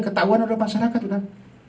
ketahuan dari masyarakat sudah